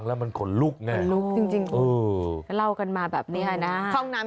แล้วมันขนลุกเนี่ยลองเล่ากันมาแบบนี้ค่ะครับ